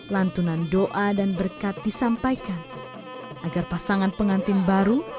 lantunan doa dan berkat disampaikan agar pasangan pengantin baru